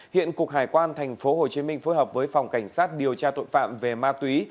hiện cục hải quan tp hcm phối hợp với phòng cảnh sát điều tra tội phạm về ma túy